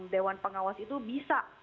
dewan pengawas itu bisa